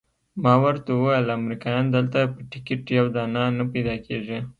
ما ورته وویل امریکایان دلته په ټکټ یو دانه نه پیدا کیږي.